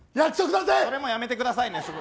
それもやめてくださいね。